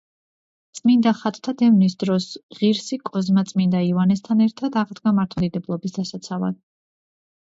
წმინდა ხატთა დევნის დროს ღირსი კოზმა წმინდა იოანესთან ერთად აღდგა მართლმადიდებლობის დასაცავად.